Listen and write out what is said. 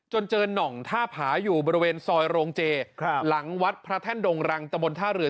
เจอน่องท่าผาอยู่บริเวณซอยโรงเจหลังวัดพระแท่นดงรังตะบนท่าเรือ